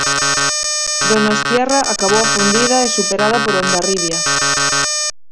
Donostiarra acabou afundida e superada por Hondarribia.